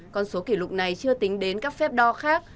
con số kỷ lục này chưa tính đến các phép đo khác